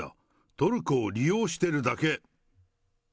トルコを利用してるだけ。